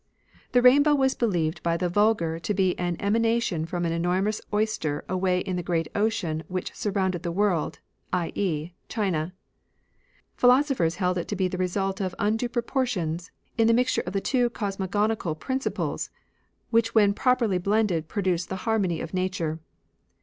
The rainbow was believed by the vulgar to be an emanation from an enormous oyster away in the great ocean which surroimded the world, i.e. China. Philosophers held it to be the result of undue proportions in the mixture of the two cosmogonical principles which when properly blended produce the harmony of nature.